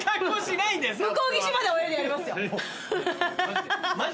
向こう岸まで泳いでやりますよ。